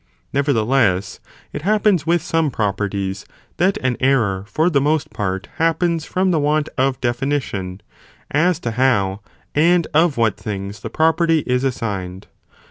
Nevertheless, it happens with some properties, mannerand _ that an error for the most part happens from the το be Want of definition, as to how and of what things accurately the property is assigned.